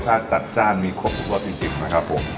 รสชาติตัดจ้านมีครบถูกกับสิ่งจริงนะครับพวก